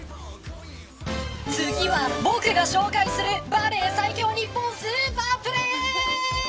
次は僕が紹介するバレー最強ニッポンスーパープレー！